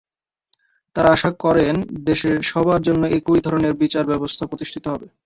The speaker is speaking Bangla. তাঁরা আশা করেন দেশে সবার জন্য একই ধরনের বিচার ব্যবস্থা প্রতিষ্ঠিত হবে।